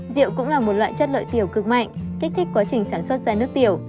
rượu cũng là một loại chất lợi tiểu cực mạnh kích thích quá trình sản xuất ra nước tiểu